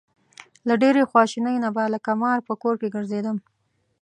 له ډېرې خواشینۍ نه به لکه مار په کور کې ګرځېدم.